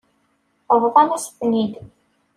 Bḍan-as-ten-id.